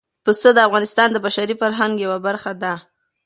پسه د افغانستان د بشري فرهنګ یوه برخه ده.